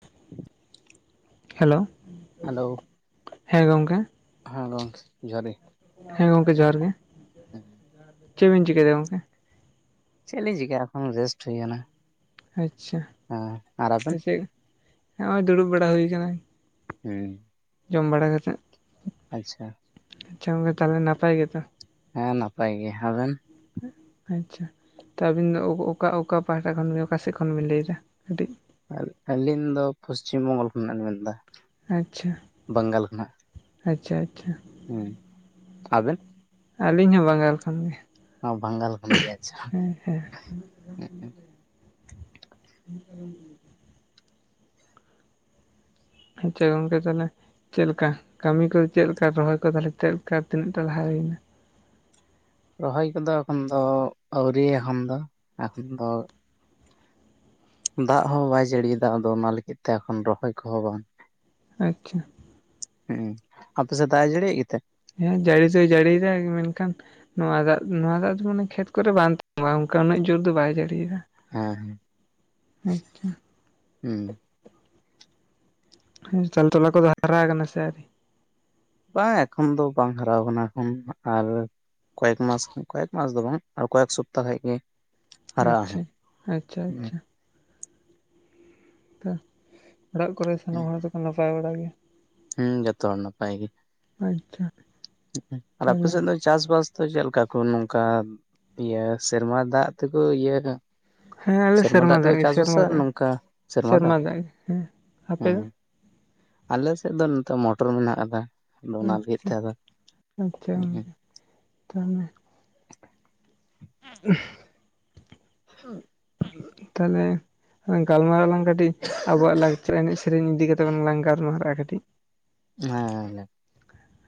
[inaudible] Hello hello ᱦᱮᱸ ᱜᱚᱢᱠᱮ ᱦᱮᱸ ᱜᱚᱢᱠᱮ ᱡᱚᱦᱟᱨ ᱜᱮ ᱦᱮᱸ ᱜᱚᱢᱠᱮ ᱡᱚᱦᱟᱨ ᱜᱮ ᱦᱩᱸ ᱪᱮᱫ ᱵᱤᱱ ᱪᱤᱠᱟᱹᱭᱮᱫᱟ ᱜᱚᱢᱠᱮ? ᱪᱮᱫᱞᱤᱧ ᱪᱤᱠᱟᱹ ᱮᱠᱷᱚᱱ ᱨᱮᱥᱴ ᱦᱩᱭᱟᱠᱟᱱᱟ ᱾ ᱟᱪᱪᱷᱟ ᱦᱮᱸ ᱟᱨ ᱟᱵᱮᱱ ᱱᱚᱜ-ᱚᱭ ᱫᱩᱲᱩᱵ ᱵᱟᱲᱟ ᱦᱩᱭ ᱟᱠᱟᱱᱟ᱾ ᱦᱩᱸ ᱡᱚᱢ ᱵᱟᱲᱟ ᱠᱟᱛᱮᱫ ᱟᱪᱪᱷᱟ ᱟᱪᱪᱷᱟ ᱜᱚᱢᱠᱮ ᱛᱟᱦᱚᱞᱮ ᱱᱟᱯᱟᱭ ᱜᱮᱛᱚ? ᱦᱮᱸ ᱱᱟᱯᱟᱭ ᱜᱮ ᱟᱵᱮᱱ ᱟᱪᱪᱷᱟ ᱛᱚ ᱟᱹᱵᱤᱱ ᱫᱚ ᱚᱠᱟ ᱚᱠᱟ ᱯᱟᱦᱟᱴᱟ ᱠᱷᱚᱱ ᱚᱠᱟ ᱥᱮᱫ ᱠᱷᱚᱱ ᱵᱤᱱ ᱞᱟᱹᱭᱫᱟ ᱠᱟᱹᱴᱤᱡ ᱟᱹ ᱟᱹᱞᱤᱧ ᱫᱚ ᱯᱚᱥᱪᱷᱤᱢ ᱵᱚᱝᱜᱚᱞ ᱠᱷᱚᱱᱟᱜ ᱞᱤᱧ ᱢᱮᱱᱫᱟ ᱟᱪᱪᱷᱟ ᱵᱟᱝᱜᱟᱞ ᱠᱷᱚᱱᱟᱜ ᱟᱪᱪᱷᱟ ᱟᱪᱪᱷᱟ ᱦᱩᱸ ᱟᱵᱮᱱ ᱟᱹᱞᱤᱧ ᱦᱚᱸ ᱵᱟᱝᱜᱟᱞ ᱠᱷᱚᱱ ᱜᱮ ᱚ ᱵᱟᱝᱜᱟᱞ ᱠᱷᱚᱱ ᱜᱮ ᱟᱪᱪᱷᱟ ᱦᱮᱸ ᱦᱮᱸ [unintelligible] [inaudible] ᱟᱪᱪᱷᱟ ᱜᱚᱢᱠᱮ ᱛᱟᱦᱚᱞᱮ ᱪᱮᱫ ᱞᱮᱠᱟ ᱠᱟᱹᱢᱤ ᱠᱚ ᱪᱮᱫ ᱞᱮᱠᱟ ᱨᱚᱦᱚᱭ ᱠᱚ ᱛᱟᱦᱚᱞᱮ ᱪᱮᱫ ᱞᱮᱠᱟ ᱛᱤᱱᱟᱹᱜ ᱴᱟ ᱞᱟᱦᱟ ᱦᱩᱭᱮᱱᱟ? ᱨᱚᱦᱚᱭ ᱠᱚᱫᱚ ᱮᱠᱷᱚᱱ ᱫᱚ ᱟᱹᱣᱨᱤᱭᱟ ᱮᱠᱷᱚᱱ ᱫᱚ ᱮᱠᱷᱚᱱ ᱫᱚ ᱫᱟᱜ ᱦᱚᱸ ᱵᱟᱭ ᱡᱟᱹᱲᱤᱭ-ᱫᱟ ᱟᱫᱚ ᱚᱱᱟ ᱞᱟᱹᱜᱤᱫ ᱛᱮ ᱮᱠᱷᱚᱱ ᱨᱚᱦᱚᱭ ᱠᱚᱦᱚᱸ ᱵᱟᱝ ᱟᱪᱪᱷᱟ ᱦᱩᱸ ᱟᱯᱮ ᱥᱮᱫ ᱫᱟᱜ ᱮ ᱡᱟᱹᱲᱤᱭᱮᱫ ᱜᱮᱛᱮ? ᱦᱮᱸ ᱡᱟᱹᱲᱤ ᱫᱚᱭ ᱡᱟᱹᱲᱤᱭ-ᱫᱟ ᱢᱮᱱᱠᱷᱟᱱ ᱱᱚᱣᱟ ᱫᱟᱜ ᱱᱚᱣᱟ ᱫᱟᱜ ᱫᱚ ᱢᱟᱱᱮ ᱠᱷᱮᱛ ᱠᱚᱨᱮ ᱵᱟᱝ ᱛᱼᱟ ᱚᱱᱠᱟ ᱩᱱᱟᱹᱜ ᱡᱳᱨ ᱫᱚ ᱵᱟᱭ ᱡᱟᱹᱲᱤᱭᱤᱭᱟᱫᱟ ᱾ ᱦᱮᱸ ᱦᱮᱸ ᱦᱩᱸ ᱦᱮᱸ ᱛᱚᱞᱟ ᱠᱚᱫᱚ ᱦᱟᱨᱟ ᱟᱠᱟᱱᱟ ᱥᱮ ᱟᱨᱤ? ᱵᱟᱝ ᱮᱠᱷᱚᱱ ᱫᱚ ᱵᱟᱝ ᱦᱟᱨᱟᱳ ᱟᱠᱟᱱᱟ ᱮᱠᱷᱚᱱ ᱟᱨ ᱠᱚᱭᱮᱠ ᱢᱥ ᱠᱚᱭᱮᱠ ᱢᱥ ᱫᱚ ᱵᱟᱝ ᱟᱨ ᱠᱚᱭᱮᱠ ᱥᱚᱯᱛᱟ ᱠᱷᱟᱡ ᱜᱮ ᱦᱟᱨᱟᱜᱼᱟ ᱦᱟᱸᱜ ᱟᱪᱪᱷᱟ ᱟᱪᱪᱷᱟ ᱟᱪᱪᱷᱟ ᱚ ᱚᱲᱟᱜ ᱠᱚᱨᱮ ᱥᱟᱱᱟᱢ ᱦᱚᱲ ᱫᱚᱠᱚ ᱱᱟᱯᱟᱭ ᱵᱟᱲᱟ ᱜᱮᱭᱟ? ᱦᱩᱸ ᱡᱚᱛᱚ ᱦᱚᱲ ᱱᱟᱯᱟᱭ ᱜᱮ ᱾ ᱟᱪᱪᱷᱟ ᱟᱨ ᱛᱟᱦᱚᱞᱮ ᱟᱯᱮᱱᱮᱫᱚ ᱫᱚ ᱪᱟᱥ ᱵᱟᱥ ᱫᱚ ᱪᱮᱫᱠᱟ ᱠᱚ ᱱᱚᱝᱠᱟ ᱤᱭᱟᱹ ᱥᱮᱨᱢᱟ ᱫᱟᱜ ᱛᱮᱠᱚ ᱤᱭᱟᱹ ᱦᱮᱸ ᱟᱞᱮ ᱥᱮᱨᱢᱟ ᱫᱟᱜ ᱛᱮᱠᱚ ᱜᱮ ᱥᱮᱨᱢᱟ ᱪᱟᱥᱵᱟᱥᱟ ᱫᱟᱜ ᱜᱮ ᱱᱚᱝᱠᱟ ᱥᱮᱨᱢᱟ ᱫᱟᱜ ᱟᱯᱮ ᱦᱮᱸ ᱫᱚ? ᱟᱞᱮᱮᱥᱮᱫ ᱫᱚ ᱱᱚᱛᱚᱮ ᱢᱚᱴᱚᱨ ᱢᱮᱱᱟᱜ ᱟᱠᱟᱫᱟ ᱟᱫᱚ ᱚᱱᱟ ᱞᱟᱹᱜᱤᱫ ᱟᱪᱪᱷᱟ ᱛᱮ ᱟᱫᱚ ᱟᱪᱪᱷᱟ ᱦᱮᱸ ᱜᱚᱝᱠᱮ ᱛᱟᱦᱚᱞᱮ [inaudible] ᱛᱟᱞᱮ ᱝ ᱜᱟᱞᱢᱟᱨᱟᱜ ᱞᱟᱝ ᱠᱟᱹᱴᱤᱡ ᱟᱵᱚᱣᱟᱜ ᱞᱟᱠᱪᱟᱨ ᱮᱱᱮᱡ ᱥᱮᱨᱮᱧ ᱤᱫᱤ ᱠᱟᱛᱮᱜ ᱞᱟᱝ ᱜᱟᱞᱢᱟᱨᱟᱜᱼᱟ ᱠᱟᱹᱴᱤᱡ ᱦᱮᱸᱮᱸ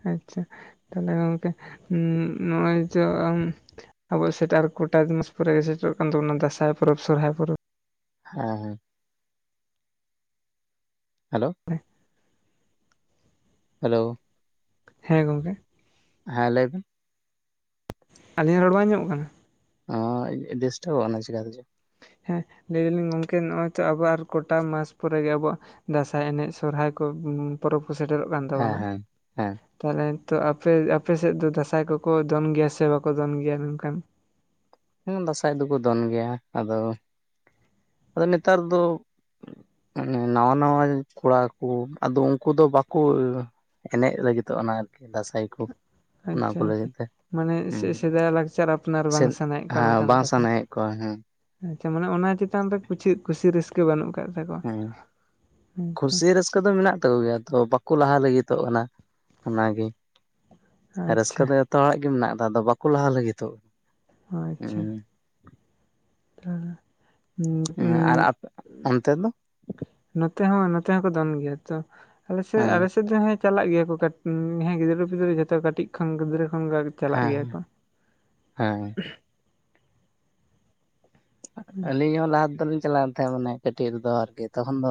ᱟᱪᱪᱷᱟ ᱛᱟᱦᱞᱮ ᱜᱚᱝᱠᱮ ᱱᱚᱜ ᱚᱭ ᱡᱮ ᱟ ᱟᱵ ᱥᱮᱴ ᱟᱨ ᱠᱚᱚᱴᱟ ᱫᱩᱢᱟᱥ ᱯᱚᱨᱮ ᱜᱮᱥᱮ ᱫᱟᱸᱥᱟᱭ ᱯᱚᱨᱚᱵᱽ ᱥᱚᱨᱦᱟᱭ ᱯᱚᱨᱚᱵᱽ ᱦ ᱦᱮᱸ ᱦᱮᱞᱳ ᱦᱮᱞᱳ ᱦᱮᱸ ᱜᱚᱢᱠᱮ ᱦᱮᱸ ᱞᱟᱹᱭᱵᱤᱱ ᱟᱹᱞᱤᱧᱟᱜ ᱨᱚᱲ ᱵᱟᱝ ᱟᱡᱚᱢᱚ-ᱜ ᱠᱟᱱᱟ? ᱚ ᱰᱤᱥᱴᱟᱵᱚ-ᱜ ᱠᱟᱱᱟ ᱪᱤᱠᱟᱛᱮ ᱪᱚ, ᱦᱮᱸ ᱞᱟᱹᱭ ᱫᱟᱞᱤᱧ ᱜᱚᱝᱠᱮ ᱱᱚᱜᱼᱚᱭ ᱛᱚ ᱟᱵᱚ ᱟᱨ ᱜᱚᱴᱟ ᱢᱟᱥ ᱯᱚᱨᱮᱜᱮ ᱟᱵᱚᱣᱟᱜ, ᱫᱟᱸᱥᱟᱭ ᱮᱱᱮᱡ ᱥᱚᱨᱦᱟᱭ ᱠᱚ ᱯᱚᱨᱚᱵᱽ ᱠᱚ ᱥᱮᱴᱮᱨᱚᱜ ᱠᱟᱱ ᱦᱮᱸ ᱛᱟᱵᱳᱱᱟ᱾ ᱦᱮᱸ ᱦᱮᱸ ᱛᱟᱦᱚᱞᱮ ᱛᱚ ᱟᱯᱮ ᱟᱯᱮ ᱥᱮᱫ ᱫᱚ ᱫᱟᱸᱥᱟᱭ ᱠᱚᱠᱚ ᱫᱚᱱ ᱜᱮᱭᱟ ᱥᱮ ᱵᱟᱠᱚ ᱫᱚᱱ ᱜᱮᱭᱟ᱾ ᱢᱮᱱᱠᱷᱟᱱ ᱦᱮᱸ ᱫᱟᱸᱥᱟᱭ ᱫᱚᱠᱚ ᱫᱚᱱ ᱜᱮᱭᱟ, ᱟᱫᱚ ᱟᱫᱚ ᱱᱮᱛᱟᱨ ᱫᱚ ᱢᱟᱱᱮ ᱱᱟᱣᱟ ᱱᱟᱣᱟ ᱠᱚᱲᱟ ᱠᱩ ᱟᱫᱚ ᱩᱱᱠᱩ ᱫᱚ ᱵᱟᱠᱩ ᱮᱱᱮᱡ ᱞᱟᱹᱜᱤᱫᱚᱜ ᱚᱱᱟ ᱟᱨᱠᱤ ᱫᱟᱸᱥᱟᱭ ᱠᱩ᱾ ᱟᱪᱪᱷᱟ ᱟᱪᱪᱷᱟ ᱢᱟᱱᱮ ᱦᱮᱸ ᱥᱮᱫᱟᱭ ᱞᱟᱠᱪᱟᱨ ᱟᱯᱱᱟᱨ ᱥᱮ ᱵᱟᱝ ᱥᱟᱱᱟᱭᱮᱫ ᱚᱱᱠᱟᱱ ᱦᱮᱸ ᱚᱱᱠᱟᱱ ᱵᱟᱝ ᱠᱟᱛᱷᱟ ᱥᱟᱱᱟᱭᱮᱫ ᱠᱚᱣᱟ ᱦᱮᱸ ᱟᱪᱪᱷᱟ ᱢᱟᱱᱮ ᱚᱱᱟ ᱪᱮᱛᱟᱱ ᱨᱮ ᱠᱩᱪᱷᱟᱹᱜ ᱠᱩᱥᱤ ᱨᱟᱹᱥᱠᱟᱹ ᱵᱟᱹᱱᱩᱜ ᱟᱠᱟᱫ ᱛᱟᱠᱚᱣᱟ, ᱦᱮᱸᱛᱚ᱾ ᱠᱟᱹᱫᱚ ᱢᱮᱱᱟᱜ ᱛᱟᱠᱚ ᱜᱮᱭᱟ ᱛᱚ ᱵᱟᱠᱚ ᱞᱟᱦᱟ ᱞᱟᱹᱜᱤᱫᱚᱜ ᱠᱟᱱᱟ ᱚᱱᱟᱜᱮ᱾ ᱨᱟᱹᱥᱠᱟᱹ ᱟᱪᱪᱷᱟ ᱫᱚ ᱡᱷᱚᱛᱚ ᱦᱚᱲᱟᱜ ᱜᱮ ᱢᱮᱱᱟᱜᱫᱟ ᱟᱫᱚ ᱵᱟᱠᱚ ᱞᱟᱦᱟ ᱞᱟᱹᱜᱤᱫᱚᱜ᱾ ᱟᱪᱪᱷᱟ ᱦᱮᱸ [unintelligible] ᱟᱨ ᱟᱯᱮ ᱚᱱᱛᱮ ᱫᱚ ᱱᱚᱛᱮ ᱦᱚᱸ ᱱᱚᱛᱮ ᱦᱚᱸᱠᱚ ᱫᱚᱢ ᱜᱮᱭᱟ ᱛᱚ ᱟᱞ ᱥᱮᱫ ᱦᱮᱸ ᱟᱞᱮ ᱥᱮᱫ ᱫᱚᱱ ᱪᱟᱞᱟᱜ ᱜᱮᱭᱟ ᱠᱚ ᱠᱟᱹᱴᱤᱡ ᱦᱮᱸ ᱜᱤᱫᱽᱨᱟᱹ ᱯᱤᱫᱽᱨᱟᱹ ᱡᱚᱛᱚ ᱠᱟᱹᱴᱤᱡ ᱠᱷᱚᱱ ᱜᱤᱫᱽᱨᱟᱹ ᱠᱷᱚᱱ ᱪᱟᱞᱟᱜ ᱜᱮᱭᱟ ᱦᱮᱸ ᱠᱚ ᱦᱮᱸ ᱦᱮᱸ ᱟᱹᱞᱤᱧ ᱦᱚᱸ ᱞᱟᱦᱟ ᱛᱮᱫ ᱞᱤᱧ ᱪᱟᱞᱟᱣᱮᱱ ᱛᱟᱦᱮᱸᱫ ᱢᱟᱱᱮ ᱠᱟᱹᱴᱤᱡ ᱨᱮᱫᱚ ᱟᱨᱠᱤ ᱛᱚᱠᱷᱚᱱ ᱫᱚ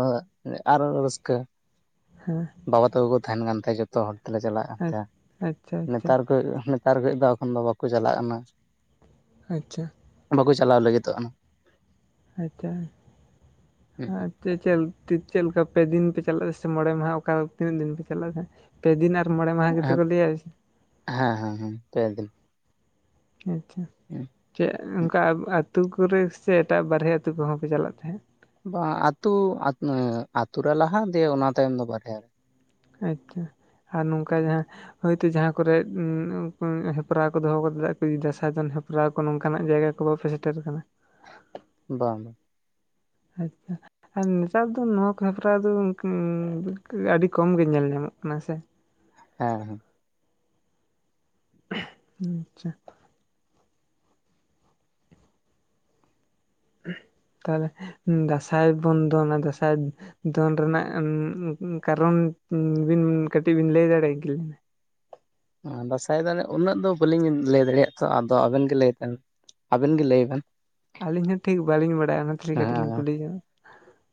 ᱟᱨᱚ ᱨᱟᱹᱥᱠᱟᱹ᱾ ᱦᱮᱸ ᱵᱟᱵᱟ ᱛᱟᱠᱚ ᱠᱚ ᱛᱟᱦᱮᱱ ᱠᱟᱱ ᱛᱟᱦᱮᱸᱼᱟ ᱡᱚᱛᱚ ᱦᱚᱲ ᱛᱮᱞᱮ ᱪᱟᱞᱟᱜ ᱠᱟᱱ ᱟᱪᱪᱷᱟ ᱛᱟᱦᱮᱸᱱᱟ, ᱟᱪᱪᱷᱟ ᱱᱮᱛᱟᱨ ᱠᱟᱹᱡ ᱱᱮᱛᱟᱨ ᱠᱚ ᱫᱚ ᱮᱠᱷᱚᱱ ᱫᱚ ᱵᱟᱠᱚ ᱪᱟᱞᱟᱜ ᱠᱟᱱᱟ᱾ ᱟᱪᱪᱷᱟ ᱵᱟᱠᱚ ᱪᱟᱞᱟᱣ ᱞᱟᱹᱜᱤᱫᱚᱜ ᱠᱟᱱᱟ᱾ ᱟᱪᱪᱷᱟ [unintelligible] ᱦᱮᱸ [unintelligible] ᱪᱮᱫ ᱞᱮᱠᱟ ᱯᱮ ᱫᱤᱱ ᱯᱮ ᱪᱟᱞᱟᱜᱼᱟ ᱥᱮ ᱢᱚᱬᱮ ᱢᱟᱦᱟ ᱚᱠᱟ ᱛᱤᱱᱟᱹᱜ ᱫᱤᱱ ᱯᱮ ᱪᱟᱞᱟᱜ ᱛᱟᱦᱮᱜ? ᱯᱮ ᱫᱤᱱ ᱟᱨ ᱢᱚᱬᱮ ᱢᱟᱦᱟ ᱜᱮᱛᱮ ᱠᱚ ᱞᱟᱹᱭᱟ᱾ ᱦᱮᱸ ᱦᱮᱸ ᱦᱮᱸ ᱯᱮ ᱫᱤᱱ᱾ ᱟᱪᱪᱷᱟ, ᱪᱮᱫ ᱚᱱᱠᱟ ᱟᱛᱳ ᱠᱚᱨᱮ ᱥᱮ ᱮᱴᱟᱜ ᱵᱟᱨᱦᱮ ᱟᱹᱛᱩ ᱠᱚᱦᱚᱸ ᱠᱚ ᱪᱟᱞᱟᱜ ᱛᱟᱦᱮᱸᱫ? ᱵᱟᱝ ᱟᱹᱛᱩ, ᱟᱛᱹᱩ ᱨᱮ ᱞᱟᱦᱟ ᱫᱤᱭᱮ ᱚᱱᱟ ᱛᱟᱭᱚᱢ ᱫᱚ ᱵᱟᱨᱦᱮ ᱨᱮ᱾ ᱟᱪᱪᱷᱟ ᱟᱨ ᱱᱚᱝᱠᱟ ᱡᱟᱦᱟᱸ ᱦᱚᱭᱛᱚ ᱡᱟᱦᱟᱸ ᱠᱚᱨᱮᱜ ᱦᱮᱯᱨᱟᱣ ᱠᱚ ᱫᱚᱦᱚ ᱠᱟᱫᱟ ᱫᱟᱸᱥᱟᱭ ᱫᱚᱱ ᱦᱮᱯᱨᱟᱣ ᱠᱚ ᱱᱚᱝᱠᱟᱱᱟᱜ ᱡᱟᱭᱜᱟ ᱠᱚ ᱵᱟᱯᱮ ᱥᱮᱴᱮᱨ ᱠᱟᱱᱟ? ᱵᱟᱝ ᱵᱟᱝ ᱟᱪᱪᱷᱟ ᱟᱨ ᱱᱮᱛᱟᱨ ᱫᱚ ᱱᱚᱣᱟ ᱠᱚ ᱦᱮᱯᱨᱟᱣ ᱫᱚ ᱟᱹᱰᱤ ᱠᱚᱢ ᱜᱮ ᱧᱮᱞ ᱧᱟᱢᱚᱜ ᱠᱟᱱᱟ ᱥᱮ? ᱦᱮᱸ ᱦᱮᱸ [unintelligible] ᱟᱪᱪᱷᱟ ᱛᱟᱦᱚᱞᱮ ᱫᱟᱸᱥᱟᱭ ᱵᱚᱱᱫᱚᱱᱟ ᱫᱟᱸᱥᱟᱭ ᱫᱚᱱ ᱨᱮᱱᱟᱜ ᱠᱟᱨᱚᱱ ᱵᱤᱱ ᱠᱟᱹᱴᱤᱡ ᱵᱤᱱ ᱞᱟᱹᱭ ᱫᱟᱲᱮ ᱠᱤᱞᱤᱧᱟ? ᱫᱟᱸᱥᱟᱭ ᱫᱚ ᱩᱱᱟᱹᱜ ᱫᱚ ᱵᱟᱹᱞᱤᱧ ᱞᱮ ᱫᱟᱲᱮᱭᱟᱜ ᱛᱚ ᱟᱫᱚ ᱟᱵᱮᱱ ᱜᱮ ᱞᱟᱹᱭ ᱵᱤᱱ ᱟᱵᱤᱱ ᱞᱟᱹᱭ ᱵᱤᱱ᱾ ᱟᱹᱞᱤᱧ ᱦᱚᱸ ᱴᱷᱤᱠ ᱵᱟᱹᱞᱤᱧ ᱵᱟᱲᱟᱭᱟ ᱚᱱᱟ ᱛᱮᱞᱤ ᱠᱟᱹᱴᱤᱡ ᱞᱤᱧ ᱠᱩᱞᱤ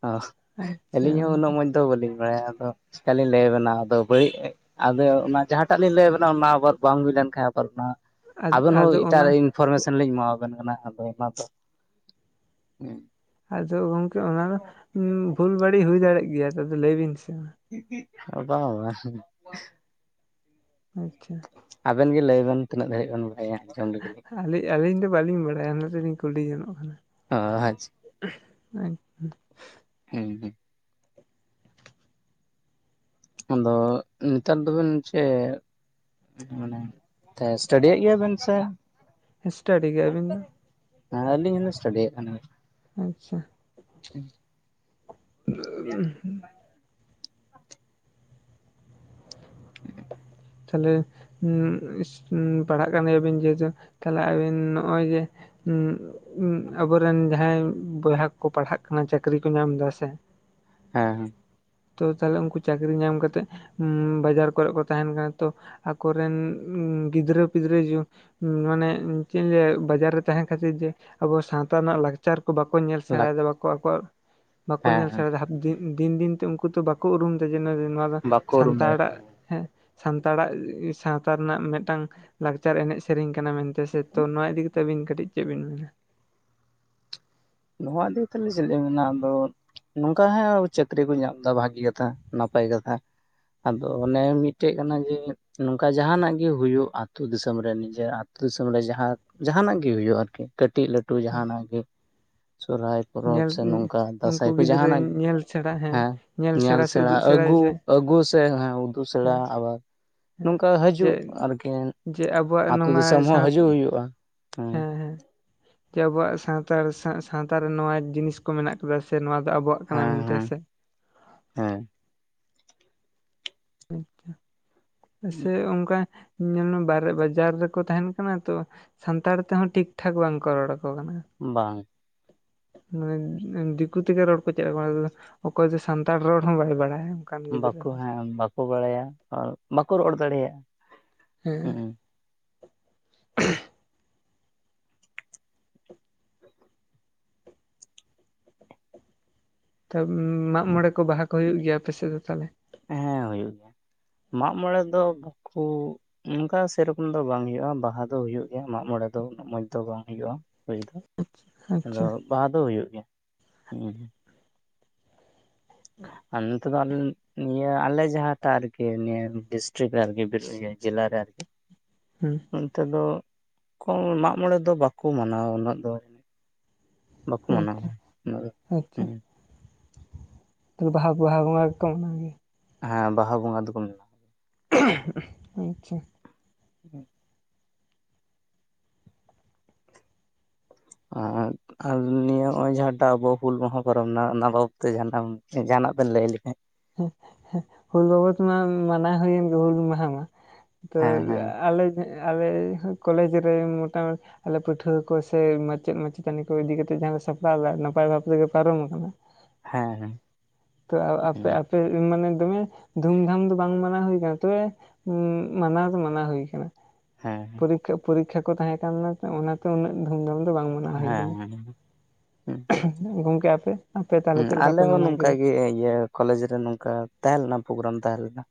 ᱚᱜ ᱟᱪᱪᱷᱟ ᱟᱹᱞᱤᱧ ᱦᱚᱸ ᱩᱱᱟᱹᱜ ᱢᱚᱡᱽ ᱫᱚ ᱵᱟᱹᱞᱤᱧ ᱵᱟᱲᱟᱭᱟ ᱟᱫᱚ ᱪᱮᱠᱟᱞᱤᱧ ᱞᱟᱹᱭ ᱟᱵᱮᱱᱟ ᱟᱫᱚ [unintelligible] ᱟᱫᱚ ᱚᱱᱟ ᱡᱟᱦᱟᱸᱴᱟᱜ ᱞᱤᱧ ᱞᱟᱹᱭᱟᱵᱮᱱᱟ ᱚᱱᱟ ᱟᱵᱟᱨ ᱵᱟᱝ ᱦᱩᱭ ᱞᱮᱱᱠᱷᱟᱱ ᱟᱵᱟᱨ ᱚᱱᱟ ᱟᱵᱮᱱ ᱟᱫᱚ ᱦᱚᱸ ᱮᱴᱟᱜ ᱚᱱᱟ [unintelligible] ᱯᱷᱚᱨᱢᱮᱥᱚᱱ ᱞᱤᱧ ᱮᱢᱟᱣᱟᱵᱮᱱ ᱠᱟᱱᱟ ᱟᱫᱚ ᱚᱱᱟ ᱫᱚ᱾ ᱟᱫᱚ ᱜᱚᱝᱠᱮ ᱚᱱᱟ ᱫᱚ ᱵᱷᱩᱞ ᱵᱟᱹᱲᱤᱡ ᱦᱩᱭ ᱫᱟᱲᱮᱜ ᱜᱮᱭᱟ ᱟᱫᱚ ᱞᱟᱹᱭ ᱵᱤᱱ ᱥᱮ ᱢᱟ᱾ ᱵᱟ ᱵᱟ ᱟᱪᱪᱷᱟ ᱟᱵᱮᱱ ᱜᱮ ᱞᱮ ᱵᱮᱱ ᱛᱤᱱᱟᱹᱜ ᱫᱷᱟᱹᱨᱤᱡ ᱵᱮᱱ ᱵᱟᱲᱟᱭᱟ? ᱞᱮᱜᱮᱞᱤᱧ ᱟᱹᱞᱤ ᱟᱹᱞᱤᱧ ᱫᱚ ᱵᱟᱹᱞᱤᱧ ᱵᱟᱲᱟᱭᱟ ᱚᱱᱟ ᱛᱤᱞᱤᱧ ᱠᱩᱞᱤ ᱡᱚᱱᱚᱜ ᱠᱟᱱᱟ᱾ [inaudible] ᱚ ᱟᱪᱪᱷᱟ ᱦᱩᱸ ᱦᱩᱸ ᱟᱫᱚ ᱱᱮᱛᱟᱨ ᱫᱚᱵᱮᱱ ᱪᱮᱫ ᱢᱟᱱᱮ ᱥᱴᱟᱰᱤᱭᱮᱫ ᱜᱮᱭᱟ ᱵᱮᱱ ᱥᱮ ᱥᱴᱟᱰᱤ ᱜᱮ ᱟᱹᱵᱤᱱ ᱫᱚ ᱟᱞᱤᱧ ᱦᱚᱞᱤᱧ ᱥᱴᱟᱰᱤᱭᱮᱜ ᱠᱟᱱᱟ ᱟᱪᱪᱷᱟ [inaudible] ᱛᱟᱦᱞᱮ ᱯᱟᱲᱦᱟᱜ ᱠᱟᱱ ᱜᱮᱭᱟᱵᱤᱱ ᱡᱮᱦᱩᱛᱩ ᱛᱟᱦᱞᱮ ᱟᱵᱤᱱ ᱱᱚᱜᱼᱚᱭ ᱡᱮ ᱦᱩᱸ ᱟᱵᱚᱨᱮᱱ ᱡᱟᱦᱟᱸᱭ ᱵᱚᱭᱦᱟ ᱠᱚ ᱯᱟᱲᱦᱟᱜ ᱠᱟᱱᱟ ᱪᱟᱹᱠᱨᱤ ᱠᱚ ᱧᱟᱢ ᱫᱟ ᱥᱮ ᱦᱮᱸ ᱦᱮᱸ ᱛᱚ ᱛᱟᱦᱚᱞᱮ ᱩᱱᱠᱩ ᱪᱟᱹᱠᱨᱤ ᱧᱟᱢ ᱠᱟᱛᱮᱜ ᱵᱟᱡᱟᱨ ᱠᱚᱨᱮᱜ ᱠᱚ ᱛᱟᱦᱮᱱ ᱠᱟᱱᱟ ᱛᱚ ᱟᱠᱚᱨᱮᱱ ᱜᱤᱫᱽᱨᱟᱹ ᱯᱤᱫᱽᱨᱟᱹ ᱡᱚ ᱢᱟᱱᱮ ᱪᱮᱫ ᱤᱧ ᱞᱟᱹᱭᱟ ᱵᱟᱡᱟᱨ ᱨᱮ ᱛᱟᱦᱮᱸ ᱠᱷᱟᱹᱛᱤᱨ ᱡᱮ ᱟᱵᱚ ᱥᱟᱶᱛᱟ ᱨᱮᱱᱟᱜ ᱞᱟᱠ ᱪᱟᱨ ᱠᱚ ᱵᱟᱠᱚ ᱧᱮᱞ ᱦᱮᱸ ᱥᱮᱬᱟᱭᱫᱟ ᱵᱟᱠᱚ ᱟᱠᱚᱣᱟᱜ ᱵᱟᱠᱚ ᱦᱮᱸ ᱧᱮᱞ ᱦᱮᱸ ᱥᱮᱬᱟᱭ ᱫᱟ ᱦᱟ ᱫᱤᱱ ᱫᱤᱱᱛᱮ ᱩᱱᱠᱩ ᱛᱚ ᱵᱟᱠᱚ ᱩᱨᱩᱢ ᱫᱟ ᱡᱮ ᱱᱚᱣᱟ ᱫᱚ ᱵᱟᱠᱚ ᱩᱨᱩᱢ ᱫᱟᱲᱮᱭᱟᱜᱼᱟ ᱥᱟᱱᱛᱟᱲᱟᱜ ᱦᱮᱸ ᱥᱟᱱᱛᱟᱲᱟᱜ ᱥᱟᱶᱛᱟ ᱨᱮᱱᱟᱜ ᱢᱤᱫᱴᱟᱝ ᱞᱟᱠᱪᱟᱨ ᱮᱱᱮᱡ ᱥᱮᱨᱮᱧ ᱠᱟᱱᱟ ᱢᱮᱱᱛᱮ ᱥᱮ ᱛᱚ ᱱᱚᱣᱟ ᱤᱫᱤ ᱛᱮᱵᱤᱱ ᱠᱟᱹᱴᱤᱡ ᱪᱮᱫ ᱵᱤᱱ ᱢᱮᱱᱟ ᱱᱚᱣᱟ ᱫᱚ ᱛᱟᱦᱞᱮ ᱪᱮᱫ ᱞᱤᱧ ᱢᱮᱱᱟ ᱟᱫᱚ ᱱᱚᱝᱠᱟ ᱦᱟᱸᱜ ᱪᱟᱹᱠᱨᱤ ᱠᱚ ᱧᱟᱢ ᱫᱟ ᱵᱷᱟᱜᱮ ᱠᱟᱛᱷᱟ ᱱᱟᱯᱟᱭ ᱠᱟᱛᱷᱟ ᱟᱫᱚ ᱚᱱᱮ ᱢᱤᱫᱴᱮᱡ ᱠᱟᱱᱟ ᱡᱮ ᱱᱚᱝᱠᱟ ᱡᱟᱦᱟ ᱱᱟᱜ ᱜᱮ ᱦᱳᱭᱳᱜ ᱟᱛᱳ ᱫᱤᱥᱚᱢ ᱨᱮ ᱱᱤᱡᱮᱨ ᱟᱛᱳ ᱫᱤᱥᱚᱢ ᱨᱮ ᱡᱟᱦᱟᱸ ᱡᱟᱦᱟᱱᱟᱜ ᱜᱮ ᱦᱳᱭᱳᱜ ᱟᱨᱠᱤ ᱠᱟᱹᱴᱤᱡ ᱞᱟᱹᱴᱩ ᱡᱟᱦᱟᱱᱟᱜ ᱜᱮ ᱥᱚᱨᱦᱟᱭ ᱯᱚᱨᱚᱵᱽ ᱧᱮᱞ ᱥᱮ ᱱᱚᱝᱠᱟ ᱫᱟᱸᱥᱟᱭ ᱩᱱᱠᱩ ᱠᱚ ᱜᱤᱫᱽᱨᱟᱹ ᱡᱟᱦᱟᱱᱟᱜ ᱜᱮ ᱧᱮᱞ ᱥᱮᱬᱟ ᱦᱮᱸ ᱧᱮᱞ ᱥᱮ ᱥᱮᱬᱟ ᱩᱫᱩᱜ ᱥᱮᱬᱟᱭ ᱟᱹᱜᱩ ᱡᱮ ᱟᱹᱜᱩ ᱥᱮ ᱦᱮᱸ ᱩᱫᱩᱜ ᱥᱮᱬᱟ ᱦᱮᱸ ᱟᱵᱟᱨ ᱦᱮᱸ ᱱᱚᱝᱠᱟ ᱡᱮ ᱦᱟᱡᱩᱜ ᱟᱨ ᱠᱤ ᱡᱮ ᱟᱵᱚᱣᱟᱜ ᱟᱹᱛᱩ ᱱᱚᱣᱟ ᱫᱤᱥᱚᱢ ᱦᱚᱸ ᱥᱟᱶ ᱦᱟᱡᱩᱜ ᱦᱩᱭᱩᱜᱼᱟ ᱦᱮᱸ ᱡᱮ ᱟᱵᱚᱣᱟᱜ ᱥᱟᱱᱛᱟᱲ ᱥᱟᱶᱛᱟ ᱨᱮ ᱱᱚᱣᱟ ᱡᱤᱱᱤᱥ ᱠᱚ ᱢᱮᱱᱟᱜ ᱟᱠᱟᱫᱟ ᱥᱮ ᱱᱚᱣᱟ ᱫᱚ ᱟᱵᱚᱣᱟᱜ ᱠᱟᱱᱟ ᱦᱮᱸ ᱢᱮᱱᱛᱮ ᱦᱮᱸ ᱥᱮ ᱦᱮᱸ ᱟᱪᱪᱷᱟ ᱦᱮᱸ ᱥᱮ ᱚᱱᱠᱟ ᱧᱮᱞ ᱢᱮ ᱵᱟᱦᱨᱮ ᱵᱟᱡᱟᱨ ᱨᱮ ᱠᱚ ᱛᱟᱦᱮᱱ ᱠᱟᱱᱟ ᱛᱚ ᱥᱟᱱᱛᱟᱲ ᱛᱮ ᱦᱚᱸ ᱴᱷᱤᱠ ᱴᱷᱟᱠ ᱵᱟᱝᱠᱚ ᱨᱚᱲ ᱟᱠᱚ ᱠᱟᱱᱟ ᱵᱟᱝ ᱢᱟᱱᱮ ᱫᱤᱠᱩ ᱛᱮᱜᱮ ᱨᱚᱲ ᱠᱚ ᱪᱮᱫ ᱟᱠᱚ ᱠᱟᱱᱟ ᱢᱟᱱᱮ ᱚᱠᱚᱭ ᱫᱚ ᱥᱟᱱᱛᱟᱲ ᱨᱚᱲ ᱦᱚᱸ ᱵᱟᱭ ᱵᱟᱲᱟᱭᱟ ᱚᱱᱠᱟᱱ ᱜᱤᱫᱽᱨᱟᱹ ᱵᱟᱠᱚ ᱦᱚᱸ ᱦᱮᱸ ᱵᱟᱠᱚ ᱵᱟᱲᱟᱭᱟ ᱵᱟᱠᱚ ᱨᱚᱲ ᱫᱟᱲᱮᱭᱟᱜᱼᱟ ᱦᱮᱸ ᱦᱩᱸ ᱛᱟᱵ ᱢᱟᱜ ᱢᱚᱬᱮ ᱠᱚ ᱵᱟᱦᱟ ᱠᱚ ᱦᱩᱭᱩᱜ ᱜᱮᱭᱟ ᱟᱯᱮ ᱥᱮᱫ ᱫᱚ ᱛᱟᱦᱚᱞᱮ ᱦᱮᱸ ᱦᱩᱭᱩᱜ ᱜᱮᱭᱟ ᱢᱟᱜ ᱢᱚᱬᱮ ᱫᱚ ᱵᱟᱠᱩ ᱚᱱᱠᱟ ᱥᱮ ᱨᱚᱠᱚᱢ ᱫᱚ ᱵᱟᱝ ᱦᱳᱭᱳᱜᱼᱟ ᱵᱟᱦᱟ ᱫᱚ ᱦᱳᱭᱳᱜ ᱜᱮᱭᱟ ᱢᱟᱜ ᱢᱚᱲᱮ ᱫᱚ ᱩᱱᱟᱹᱜ ᱢᱚᱸᱡᱽ ᱫᱚ ᱵᱟᱝ ᱦᱳᱭᱳᱜᱼᱟ ᱦᱩᱭ ᱫᱚ ᱟᱫᱚ ᱟᱪᱪᱷᱟ ᱵᱟᱦᱟ ᱫᱚ ᱦᱩᱭᱩᱜ ᱜᱮᱭᱟ ᱦᱩᱸ ᱟᱨ ᱱᱚᱛᱮ ᱫᱚ ᱟᱞᱮ ᱱᱤᱭᱟᱹ ᱡᱟᱦᱟᱸᱴᱟᱜ ᱨᱮᱜᱮ ᱟᱨᱠᱤ ᱱᱤᱭᱟᱹ ᱰᱤᱥᱴᱤᱨᱤᱠ ᱨᱮ ᱟᱨᱠᱤ ᱡᱮᱞᱟ ᱨᱮ ᱟᱨᱠᱤ ᱦᱩᱸ ᱚᱱᱛᱮ ᱫᱚ ᱠᱚ ᱢᱟᱜ ᱢᱚᱬᱮ ᱫᱚ ᱵᱟᱠᱚ ᱢᱟᱱᱟᱣᱟ ᱩᱱᱟᱹᱜ ᱫᱚ ᱵᱟᱠᱚ ᱢᱟᱱᱟᱣᱟ ᱟᱪᱪᱷᱟ ᱦᱮᱸ ᱚᱱᱟ ᱫᱚ ᱦᱩᱸ ᱛᱚ ᱵᱟᱦᱟ ᱵᱟᱦᱟ ᱵᱚᱸᱜᱟ ᱜᱮ ᱠᱚ ᱢᱟᱱᱟᱣ ᱜᱮᱭᱟ ᱦᱮᱸ ᱵᱟᱦᱟ ᱵᱚᱸᱜᱟ ᱫᱚᱠᱚ ᱢᱟᱱᱟᱣᱟ [inaudible] ᱟᱪᱪᱷᱟ ᱦᱩᱸ ᱟᱨ ᱟᱨ ᱱᱤᱭᱟᱹ ᱱᱚᱜᱼᱚᱭ ᱡᱟᱦᱟᱸᱴᱟᱜ ᱟᱵᱚ ᱦᱩᱞ ᱢᱟᱦᱟ ᱯᱚᱨᱚᱢ ᱮᱱᱟ ᱚᱱᱟ ᱵᱟᱵᱚᱫ ᱛᱮ ᱡᱟᱦᱟᱸ ᱡᱟᱦᱟᱱᱟᱜ ᱵᱤᱱ ᱞᱟᱹᱭ ᱞᱮᱠᱷᱟᱡ ᱦᱩᱞ ᱵᱟᱵᱚᱫ ᱢᱟ ᱢᱟᱱᱟᱣ ᱦᱩᱭᱮᱱ ᱜᱮ ᱦᱩᱞ ᱢᱟᱦᱟ ᱢᱟ ᱛᱚ ᱦᱮᱸ ᱦᱮᱸ ᱟᱞᱮᱡ ᱟᱞᱮ ᱠᱚᱞᱮᱡᱽ ᱨᱮ ᱢᱚᱴᱟ ᱟᱞᱮ ᱯᱟᱹᱴᱷᱩᱣᱟᱹ ᱠᱚ ᱥᱮ ᱢᱟᱪᱮᱛ ᱢᱟᱪᱮᱛᱟᱹᱱᱤ ᱠᱚ ᱤᱫᱤ ᱠᱟᱛᱮ ᱡᱟᱦᱟᱸ ᱞᱮ ᱥᱟᱯᱲᱟᱣ ᱮᱫᱟ ᱱᱟᱯᱟᱭ ᱵᱷᱟᱵᱽ ᱛᱮᱜᱮ ᱯᱟᱨᱚᱢ ᱟᱠᱟᱱᱟ ᱦᱮᱸᱻᱦᱮᱸᱻ ᱛᱚ ᱟᱯᱮ ᱟᱯᱮ ᱢᱟᱱᱮ ᱫᱚᱢᱮ ᱫᱷᱩᱢᱼᱫᱷᱟᱢ ᱫᱚ ᱵᱟᱝ ᱢᱟᱱᱟᱣ ᱦᱩᱭ ᱟᱠᱟᱱᱟ ᱛᱚᱵᱮ ᱩᱸ ᱢᱟᱱᱟᱣ ᱫᱚ ᱢᱟᱱᱟᱣ ᱦᱩᱭ ᱟᱠᱟᱱᱟ ᱦᱮᱸ ᱠᱷᱟᱜ ᱯᱟᱨᱤᱠᱠᱷᱟ ᱠᱚ ᱛᱟᱦᱮᱸ ᱠᱟᱱᱟ ᱛᱚ ᱚᱱᱟ ᱛᱚ ᱩᱱᱟᱹᱜ ᱫᱷᱩᱢᱼᱫᱷᱟᱢ ᱫᱚ ᱵᱟᱝ ᱢᱟᱱᱟᱣ ᱦᱩᱭ ᱦᱮᱸ ᱟᱠᱟᱱᱟ ᱦᱮᱸ ᱜᱚᱢᱠᱮ ᱟᱯᱮ ᱟᱯᱮ ᱛᱟᱦᱚᱞᱮ ᱦᱮᱸ ᱪᱮᱫ ᱞᱮᱠᱟ ᱟᱞᱮ ᱯᱮ ᱦᱚᱸ ᱢᱟᱱᱟᱣ ᱱᱚᱝᱠᱟ ᱠᱮᱫᱟ ᱜᱮ ᱤᱭᱟᱹ ᱠᱚᱞᱮᱡᱽ ᱨᱮ ᱱᱚᱝᱠᱟ ᱛᱟᱦᱮᱸ ᱞᱮᱱᱟ ᱯᱨᱳᱜᱨᱟᱢ ᱛᱟᱦᱮᱸ ᱞᱮᱱᱟ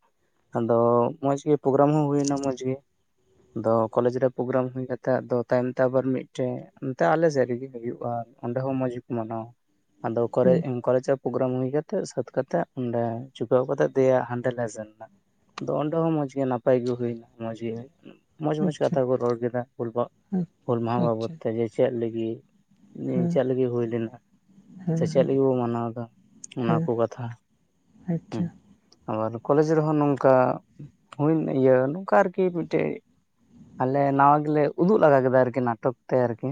ᱟᱫᱚ ᱢᱚᱸᱡᱽ ᱜᱮ ᱯᱨᱳᱜᱨᱟᱢ ᱦᱚᱸ ᱦᱩᱭᱮᱱᱟ ᱢᱚᱸᱡᱽ ᱜᱮ ᱟᱫᱚ ᱠᱚᱞᱮᱡᱽ ᱨᱮ ᱯᱨᱳᱜᱨᱟᱢ ᱦᱩᱭ ᱠᱟᱛᱮ ᱟᱫᱚ ᱛᱟᱭᱚᱢ ᱛᱮ ᱟᱵᱟᱨ ᱢᱤᱫᱴᱮᱡ ᱟᱞᱮ ᱥᱮᱫ ᱨᱮᱜᱮ ᱦᱩᱭᱩᱜᱼᱟ ᱚᱸᱰᱮ ᱦᱚᱸ ᱢᱚᱸᱡᱽ ᱜᱮᱠᱚ ᱢᱟᱱᱟᱣᱟ ᱟᱫᱚ ᱠᱚᱨᱮ ᱦᱩᱸ ᱠᱚᱞᱮᱡᱟᱜ ᱯᱨᱳᱜᱨᱟᱢ ᱦᱩᱭ ᱠᱟᱛᱮᱜ ᱥᱟᱹᱛ ᱠᱟᱛᱮᱫ ᱚᱸᱰᱮ ᱪᱩᱠᱟᱹᱣ ᱠᱟᱛᱮ ᱫᱮᱭᱟ ᱦᱟᱸᱰᱮ ᱞᱮ ᱥᱮᱱ ᱮᱱᱟ ᱟᱫᱚ ᱚᱸᱰᱮ ᱦᱚᱸ ᱢᱚᱸᱡᱽ ᱜᱮ ᱱᱟᱯᱟᱭ ᱜᱮ ᱦᱩᱭᱮᱱᱟ ᱢᱚᱸᱡᱽ ᱜᱮ ᱢᱚᱸᱡᱽ ᱢᱚᱸᱡᱽ ᱟᱪᱪᱷᱟ ᱠᱟᱛᱷᱟ ᱠᱚ ᱨᱚᱲ ᱠᱮᱫᱟ ᱦᱩᱞᱵᱟ ᱦᱩᱞ ᱢᱟᱦᱟ ᱵᱟᱵᱚᱫ ᱟᱪᱪᱷᱟ ᱛᱮ ᱡᱮ ᱪᱮᱫ ᱞᱟᱹᱜᱤᱫ ᱪᱮᱫ ᱞᱟᱹᱜᱤᱫ ᱦᱩᱭ ᱞᱮᱱᱟ ᱥᱮ ᱪᱮᱫ ᱞᱟᱹᱜᱤᱫ ᱵᱚ ᱢᱟᱱᱟᱣ ᱮᱫᱟ ᱚᱱᱟ ᱦᱮᱸ ᱠᱚ ᱠᱟᱛᱷᱟ ᱟᱪᱪᱷᱟ ᱦᱮᱸ ᱟᱵᱟᱨ ᱠᱚᱞᱮᱡᱽ ᱨᱮᱦᱚᱸ ᱱᱚᱝᱠᱟ ᱦᱩᱭᱮᱱ ᱤᱭᱟᱹ ᱱᱚᱝᱠᱟ ᱟᱨ ᱠᱤ ᱢᱤᱫᱴᱮᱡ ᱟᱞᱮ ᱱᱟᱣᱟ ᱜᱮᱞᱮ ᱩᱫᱩᱜ ᱞᱟᱜᱟ ᱠᱮᱫᱟ ᱟᱨ ᱠᱤ ᱱᱟᱴᱚᱠ ᱛᱮ ᱟᱨ ᱠᱤ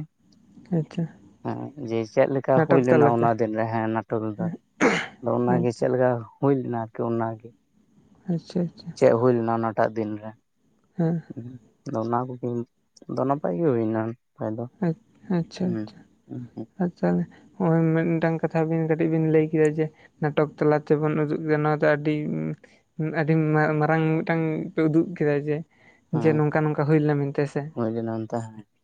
ᱟᱪᱪᱷᱟ ᱦᱮᱸ ᱡᱮ ᱪᱮᱫ ᱞᱮᱠᱟ ᱦᱩᱭ ᱱᱟᱴᱚᱠ ᱞᱮᱱᱟ ᱛᱟᱞᱟᱛᱮ ᱚᱱᱟ ᱫᱤᱱ ᱨᱮ ᱦᱮᱸ ᱱᱟᱴᱚᱠ ᱞᱮᱫᱟ ᱟᱫᱚ ᱚᱱᱟᱜᱮ ᱟᱪᱪᱷᱟ ᱪᱮᱫ ᱞᱮᱠᱟ ᱦᱩᱭ ᱞᱮᱱᱟ ᱟᱨᱠᱤ ᱚᱱᱟᱜᱮ ᱟᱪᱪᱷᱟ ᱟᱪᱪᱷᱟ ᱪᱮᱫ ᱦᱩᱭ ᱞᱮᱱᱟ ᱚᱱᱟᱴᱟᱜ ᱫᱤᱱ ᱨᱮ ᱦᱮᱸ [unintelligible] ᱟᱫᱚ ᱚᱱᱟ ᱠᱚᱜᱮᱢ ᱟᱫᱚ ᱱᱟᱯᱟᱭ ᱜᱮ ᱦᱩᱭᱱᱟ ᱫᱚ ᱟᱪ ᱟᱪᱪᱷᱟ ᱦᱮᱸ ᱟᱪᱪᱷᱟ ᱟᱪ ᱪᱟᱦᱞᱮ ᱱᱚᱜᱼᱚᱭ ᱢᱤᱫᱴᱟᱝ ᱠᱟᱛᱷᱟ ᱵᱤᱱ ᱠᱟᱹᱴᱤᱡ ᱵᱤᱱ ᱞᱟᱹᱭ ᱠᱮᱫᱟ ᱡᱮ ᱱᱟᱴᱚᱠ ᱛᱟᱞᱟ ᱛᱮ ᱵᱚᱱ ᱩᱫᱩᱜ ᱠᱮᱫᱟ ᱱᱚᱣᱟ ᱫᱚ ᱟᱹᱰᱤ ᱟᱹᱰᱤ ᱢᱟ ᱢᱟᱨᱟᱝ ᱢᱤᱫᱴᱟᱝ ᱯᱮ ᱩᱫᱩᱜ ᱠᱮᱫᱟ ᱡᱮ ᱡᱮ ᱦᱮᱸ ᱱᱚᱝᱠᱟ ᱱᱚᱝᱠᱟ ᱦᱩᱭ ᱞᱮᱱᱟ ᱢᱮᱱᱛᱮ ᱥᱮ ᱦᱩᱭ ᱞᱮᱱᱟ ᱚᱱᱛᱮ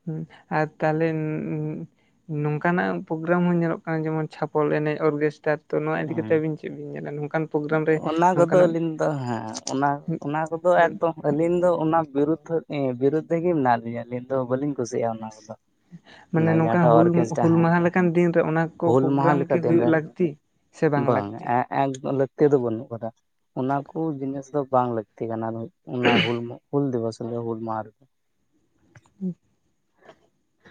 ᱦᱩᱸ ᱟᱨ ᱛᱟᱦᱚᱞᱮ [unintelligible] ᱱᱚᱝᱠᱟ ᱱᱟᱜ ᱯᱨᱳᱜᱨᱟᱢ ᱦᱚᱸ ᱧᱮᱞᱚᱜ ᱠᱟᱱᱟ ᱡᱮᱢᱚᱱ ᱪᱷᱟᱯᱚᱞ ᱮᱱᱮᱡ ᱚᱨᱜᱮᱥᱴᱟᱨ ᱛᱚ ᱱᱚᱣᱟ ᱤᱫᱤ ᱠᱟᱛᱮ ᱦᱮᱸ ᱟᱹᱵᱤᱱ ᱪᱮᱫ ᱵᱤᱱ ᱧᱮᱞᱟ ᱱᱚᱝᱠᱟᱱ ᱯᱨᱳᱜᱨᱟᱢ ᱨᱮ ᱚᱱᱟ ᱱᱚᱝᱠᱟ ᱠᱚᱫᱚ ᱱᱟᱜ ᱟᱹᱞᱤᱧ ᱫᱚ ᱦᱮᱸ ᱚᱱᱟ ᱚᱱᱟ ᱠᱚᱫᱚ ᱮᱠᱫᱚᱢ [unintelligible] ᱟᱹᱞᱤᱧ ᱫᱚ ᱚᱱᱟ ᱵᱤᱨᱩᱫᱽᱫᱷᱚ ᱮᱸ ᱵᱤᱨᱩᱫᱽᱫᱷᱮ ᱢᱮᱱᱟᱜ ᱞᱤᱧᱟᱹ ᱟᱹᱞᱤᱧ ᱫᱚ ᱵᱟᱹᱞᱤᱧ ᱠᱩᱥᱤᱭᱟᱜᱼᱟ ᱚᱱᱟ ᱠᱚᱫᱚ ᱚᱱᱟ ᱢᱟᱱᱮ ᱱᱚᱝᱠᱟᱱ ᱡᱟᱦᱟᱸᱴᱟᱜ ᱦᱩᱞ ᱚᱨᱠᱮᱥᱴᱟᱨ ᱦᱩᱞ ᱦᱮᱸ ᱢᱟᱦᱟ ᱞᱮᱠᱟᱱ ᱫᱤᱱ ᱨᱮ ᱚᱱᱟ ᱠᱚ ᱦᱩᱞ ᱢᱟᱦᱟ ᱯᱨᱳᱜᱨᱟᱢ ᱠᱤ ᱞᱮᱠᱟ ᱫᱤᱱ ᱦᱩᱭᱩᱜ ᱨᱮ ᱞᱟᱹᱠᱛᱤ ᱥᱮ ᱵᱟᱝ ᱞᱟᱹᱠᱛᱤ ᱮᱸᱻᱮᱸᱻ ᱞᱟᱹᱠᱛᱤ ᱫᱚ ᱵᱟᱹᱱᱩᱜ ᱟᱠᱟᱫᱟ ᱚᱱᱟ ᱠᱚ ᱡᱤᱱᱤᱥ ᱫᱚ ᱵᱟᱝ ᱞᱟᱹᱠᱛᱤ ᱠᱟᱱᱟ ᱚᱱᱟ ᱦᱩᱞ ᱢᱩ ᱦᱩᱞ ᱫᱤᱣᱟᱹᱥ ᱨᱮ ᱫᱚ ᱦᱩᱞ ᱢᱟᱦᱟ ᱨᱮᱫᱚ [unintelligible]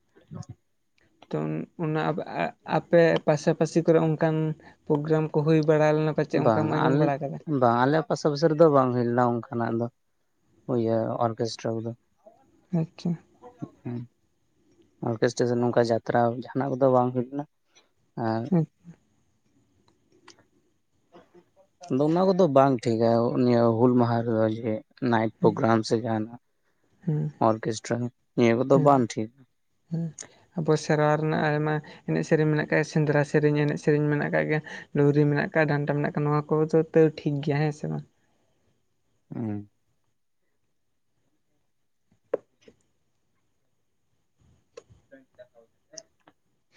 [unintelligible] ᱛᱚ ᱚᱱᱟ [unintelligible] ᱟᱯᱮ ᱯᱟᱥᱟᱯᱟᱥᱤ ᱠᱚᱨᱮ ᱚᱱᱠᱟᱱ ᱯᱨᱳᱜᱨᱟᱢ ᱠᱚ ᱦᱩᱭ ᱵᱟᱲᱟ ᱞᱮᱱᱟ᱾ ᱯᱟᱪᱮᱫ ᱵᱟᱝ ᱚᱱᱠᱟᱢ ᱟᱞ ᱟᱸᱡᱚᱢ ᱵᱟᱲᱟ ᱠᱟᱫᱟ ᱵᱟᱝ ᱟᱞᱮ ᱯᱟᱥᱟ ᱯᱟᱥᱤ ᱨᱮᱫᱚ ᱵᱟᱝ ᱦᱩᱭ ᱞᱮᱱᱟ ᱚᱱᱠᱟᱱᱟᱜ ᱫᱚ ᱤᱭᱟᱹ ᱚᱨᱠᱮᱥᱴᱨᱟ ᱠᱚᱫᱚ ᱟᱪᱪᱷᱟ [unintelligible] ᱦᱮᱸ ᱚᱨᱠᱮᱥᱴᱨᱟ ᱥᱮ ᱱᱚᱝᱠᱟ ᱡᱟᱛᱨᱟ ᱡᱟᱦᱟᱸᱱᱟᱜ ᱠᱚᱫᱚ ᱵᱟᱝ ᱦᱩᱭ ᱞᱮᱱᱟ ᱮᱸ [unintelligible] ᱟᱫᱚ ᱚᱱᱟ ᱠᱚᱫᱚ ᱵᱟᱝ ᱴᱷᱤᱠᱟ ᱱᱤᱭᱟᱹ ᱦᱩᱞ ᱢᱟᱦᱟ ᱨᱮᱫᱚ ᱡᱮᱦ ᱱᱟᱭᱤᱴ ᱦᱮᱸ ᱯᱨᱳᱜᱨᱟᱢ ᱥᱮ ᱡᱟᱦᱟᱱᱟᱜ ᱦᱮᱸ ᱚᱨᱠᱮᱥᱴᱨᱟ ᱱᱤᱭᱟᱹ ᱠᱚᱫᱚ ᱵᱟᱝ ᱴᱷᱤᱠ ᱦᱩᱸ ᱟᱵᱚ ᱥᱮᱨᱣᱟ ᱨᱮᱱᱟᱜ ᱟᱭᱢᱟ ᱮᱱᱮᱡ ᱥᱮᱨᱮᱧ ᱢᱮᱱᱟᱜ ᱟᱠᱟᱫ ᱜᱮ ᱥᱮᱸᱫᱽᱨᱟ ᱥᱮᱨᱮᱧ ᱮᱱᱮᱡ ᱥᱮᱨᱮᱧ ᱢᱮᱱᱟᱜ ᱠᱟᱫ ᱜᱮ ᱰᱩᱝᱨᱤ ᱢᱮᱱᱟᱜ ᱟᱠᱟᱫ ᱰᱟᱱᱴᱟ ᱢᱮᱱᱟᱜ ᱟᱠᱟᱫ ᱱᱚᱣᱟ ᱠᱚ ᱫᱚ ᱛᱟ. ᱣ ᱴᱷᱤᱠ ᱜᱮᱭᱟ ᱦᱮᱸ ᱥᱮ ᱵᱟᱝ ᱦᱩᱸ [inaudible]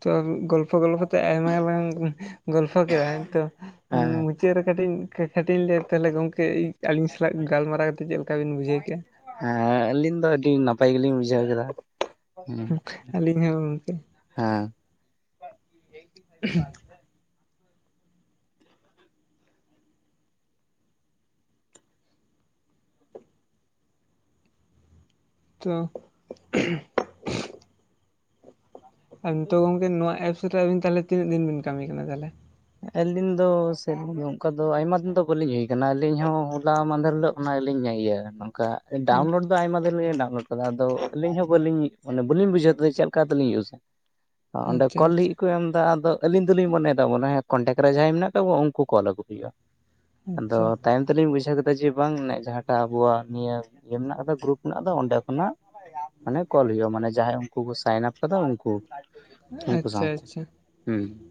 ᱛᱚ ᱜᱚᱞᱯᱷᱚ ᱜᱚᱞᱯᱷᱚ ᱛᱮ ᱟᱭᱢᱟ ᱞᱟᱝ ᱜᱚᱞᱯᱷᱚ ᱠᱮᱫ ᱟ ᱛᱚ ᱦᱮᱸ ᱪᱟ. ᱫ ᱨᱮ ᱠᱟᱹᱴᱤᱡ ᱠᱟᱹᱴᱤᱡ ᱤᱧ ᱞᱟᱹᱭᱟ ᱛᱟᱦᱚᱞᱮ ᱜᱚᱢᱠᱮ ᱟᱹᱞᱤᱧ ᱥᱟᱞᱟᱜ ᱜᱟᱞᱢᱟᱨᱟᱣ ᱠᱟᱛᱮᱫ ᱪᱮᱫ ᱞᱮᱠᱟ ᱵᱤᱱ ᱵᱩᱡᱷᱟᱹᱣ ᱠᱮᱫᱼᱟ ᱦᱮᱸ ᱟᱹᱞᱤᱧ ᱫᱚ ᱟᱹᱰᱤ ᱱᱟᱯᱟᱭ ᱜᱮᱞᱤᱧ ᱵᱩᱡᱷᱟᱹᱣ ᱠᱮᱫᱟ ᱦᱮᱸ ᱦᱩ ᱟᱹᱞᱤᱧ ᱦᱚᱸ ᱜᱚᱝᱠᱮ ᱦᱮᱸ ᱩᱦᱩ ᱛᱚ [inaudible] ᱟᱨ ᱱᱤᱛᱚᱜ ᱜᱚᱝᱠᱮ ᱱᱚᱣᱟ ᱮᱯᱥ ᱨᱮ ᱟᱵᱤᱱ ᱛᱟᱦᱚᱞᱮ ᱛᱤᱱᱟᱹᱜ ᱫᱤᱱ ᱵᱤᱱ ᱠᱟᱹᱢᱤ ᱠᱟᱱᱟ ᱛᱟᱞᱦᱮ ᱟᱹᱞᱤᱧ ᱫᱚ ᱥᱮ ᱱᱚᱝᱠᱟ ᱫᱚ ᱟᱭᱢᱟ ᱫᱤᱱ ᱫᱚ ᱵᱟᱹᱞᱤᱧ ᱦᱩᱭ ᱠᱟᱱᱟ ᱟᱹᱞᱤᱧ ᱦᱚᱸ ᱦᱚᱞᱟ ᱢᱟᱦᱫᱮᱨ ᱦᱤᱞᱳᱜ ᱚᱱᱟ ᱞᱤᱧ ᱤᱭᱟᱹ ᱱᱚᱝᱠᱟ ᱰᱟᱣᱩᱱᱞᱳᱰ ᱟᱭᱢᱟ ᱫᱤᱱ ᱨᱮᱞᱤᱧ ᱰᱟᱣᱩᱱᱞᱳᱰ ᱠᱟᱫᱟ ᱟᱫᱚ ᱟᱹᱞᱤᱧ ᱦᱚᱸᱧ ᱵᱟᱞᱤᱧ ᱵᱩᱡᱷᱟᱹᱣ ᱠᱟᱫᱟ ᱪᱮᱫ ᱞᱮᱠᱟ ᱛᱮᱞᱤᱧ ᱤᱭᱩᱡᱟ ᱚᱸᱰᱮ ᱟᱪᱪᱷᱟ ᱠᱚᱞ ᱞᱟ. ᱟᱪᱪᱷᱟ ᱜᱤᱫ ᱠᱚ ᱮᱢ ᱫᱟ ᱟᱫᱚ ᱟᱹᱞᱤᱧ ᱫᱚᱞᱤᱧ ᱢᱚᱱᱮ ᱮᱫᱟ ᱢᱚᱱᱮ ᱦᱚᱭ ᱠᱚᱱᱴᱮᱠᱴ ᱨᱮ ᱡᱟᱦᱟᱸᱭ ᱢᱮᱱᱟᱜ ᱟᱠᱟᱫ ᱠᱚᱣᱟ ᱩᱱᱠᱩ ᱠᱚᱞ ᱟᱠᱚ ᱦᱩᱭᱩᱜᱼᱟ ᱟᱫᱚ ᱟᱪᱪᱷᱟ ᱛᱟᱭᱚᱢ ᱛᱮᱞᱤᱧ ᱵᱩᱡᱷᱟᱹᱣ ᱡᱮ ᱵᱟᱝ ᱡᱟᱦᱟᱸᱴᱟᱜ ᱟᱵᱚᱣᱟᱜ ᱱᱤᱭᱟᱹ ᱢᱮᱱᱟᱜ ᱟᱠᱟᱫᱟ ᱜᱨᱩᱯ ᱢᱮᱱᱟᱜ ᱟᱠᱟᱫᱟ ᱚᱸᱰᱮ ᱠᱷᱚᱱᱟᱜ ᱢᱟᱱᱮ ᱠᱚᱞ ᱦᱳᱭᱳᱜᱼᱟ ᱢᱟᱱᱮ ᱡᱟᱦᱟᱸᱭ ᱩᱱᱠᱩ ᱠᱚ ᱥᱟᱭᱤᱱ ᱟᱯ ᱠᱟᱫᱟ ᱩᱱᱠᱩ ᱩᱱᱠᱩ ᱟᱪᱪᱷᱟ ᱥᱟᱶᱛᱮ ᱟᱪᱪᱷᱟ ᱦᱩᱸ